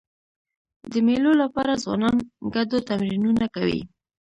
د مېلو له پاره ځوانان ګډو تمرینونه کوي.